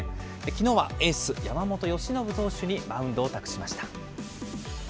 きのうはエース、山本由伸投手にマウンドを託しました。